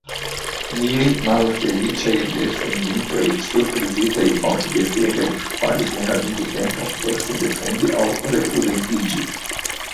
Niaj malfeliĉaj defendintoj, surprizitaj, malkvietegaj, falis ne havinte tempon por sin defendi aŭ reprudentiĝi.